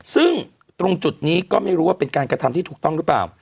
ซึ่งตรงจุดนี้ก็ไม่รู้ว่าเป็นการกระทำที่ถูกต้องหรือเปล่า